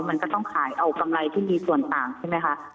มันก็ต้องขายเอากำไรที่มีส่วนต่างใช่ไหมคะ